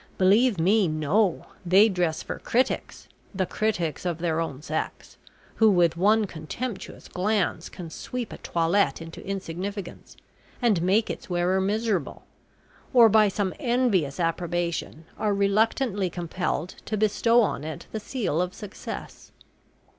Believe me, no they dress for critics, the critics of their own sex, who with one contemptuous glance can sweep a toilette into insignificance, and make its wearer miserable, or, by some envious approbation, are reluctantly compelled to bestow on it the seal of success.